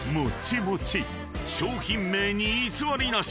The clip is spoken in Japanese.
［商品名に偽りなし］